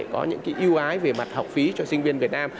có những cái ưu ái về mặt học phí cho sinh viên việt nam